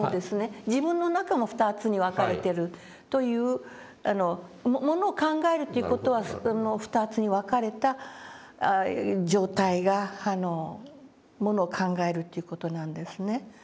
自分の中も２つに分かれてるというものを考えるっていう事は２つに分かれた状態がものを考えるという事なんですね。